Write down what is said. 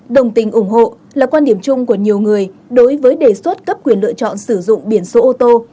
đồng tình ủng hộ là quan điểm chung của nhiều người đối với đề xuất cấp quyền lựa chọn sử dụng biển số ô tô